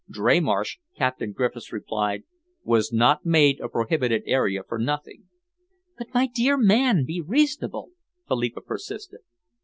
"Dreymarsh," Captain Griffiths replied, "was not made a prohibited area for nothing." "But, my dear man, be reasonable," Philippa persisted.